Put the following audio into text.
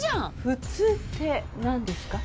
普通って何ですか？